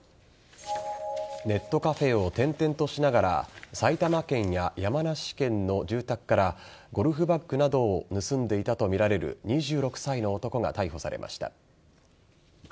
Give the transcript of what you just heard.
ネットカフェを転々としながら埼玉県や山梨県の住宅からゴルフバッグなどを盗んでいたとみられる２６歳の男が逮捕されました。